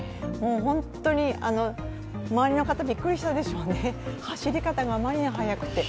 本当に周りの方、びっくりしたでしょうね、走り方があまりにも速くて。